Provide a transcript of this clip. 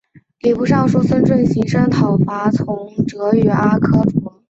礼部尚书孙慎行声讨方从哲与李可灼。